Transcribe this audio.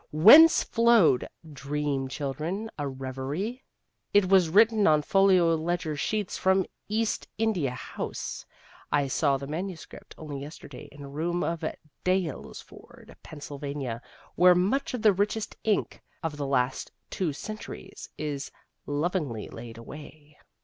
whence flowed Dream Children: a Revery? (It was written on folio ledger sheets from the East India House I saw the manuscript only yesterday in a room at Daylesford, Pennsylvania, where much of the richest ink of the last two centuries is lovingly laid away.)